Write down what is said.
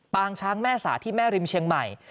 งช้างแม่สาที่แม่ริมเชียงใหม่